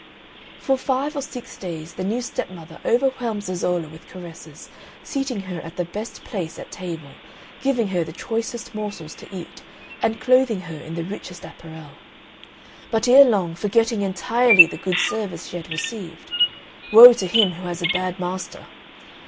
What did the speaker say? For five or six days the new stepmother overwhelmed Zezolla with caresses, seating her at the best place at table, giving her the choicest morsels to eat, and clothing her in the richest apparel. But ere long, forgetting entirely the good service she had received (woe to him who has a bad master!)